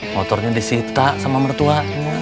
motornya disita sama mertua